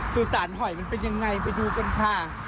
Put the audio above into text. สุสานหอยมันเป็นยังไงไปดูกันค่ะ